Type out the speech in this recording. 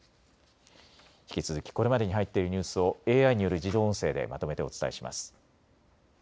引き続きこれまでに入っているニュースをＡＩによる自動音声でまとめてお伝えします。